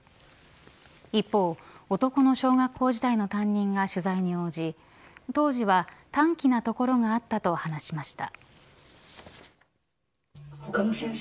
一方、男の小学校時代の担任が取材に応じ当時は短気なところがあったと話しました。